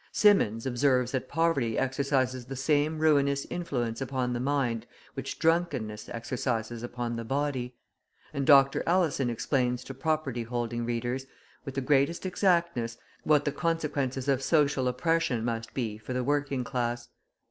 Symonds {115a} observes that poverty exercises the same ruinous influence upon the mind which drunkenness exercises upon the body; and Dr. Alison explains to property holding readers, with the greatest exactness, what the consequences of social oppression must be for the working class.